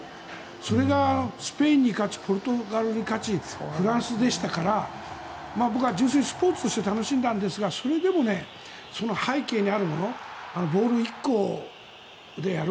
それがスペインに勝ちポルトガルに勝ちフランスでしたからぼくは純粋にスポーツとして楽しんだんですがそれでもその背景にあるものボール１個でやる。